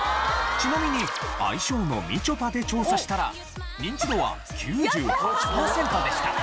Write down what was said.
ちなみに愛称の「みちょぱ」で調査したらニンチドは９８パーセントでした。